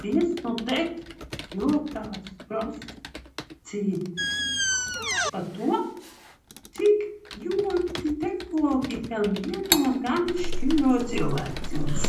Dziesmu tekstos jūtams fascinējums par to, cik ļoti tehnoloģijas gan vieno, gan šķir cilvēkus.